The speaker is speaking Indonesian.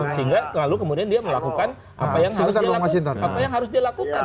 sehingga lalu kemudian dia melakukan apa yang harus dia lakukan